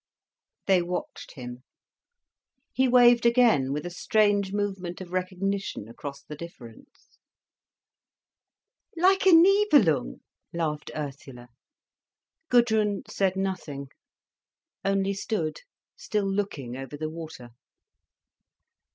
They watched him. He waved again, with a strange movement of recognition across the difference. "Like a Nibelung," laughed Ursula. Gudrun said nothing, only stood still looking over the water.